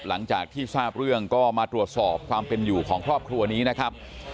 หลังจากที่ทราบเรื่องก็มาตรวจสอบความเป็นอยู่ของครอบครัวนี้นะครับ